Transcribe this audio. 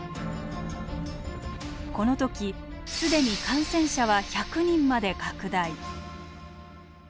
この時既に感染者は１００人まで拡大。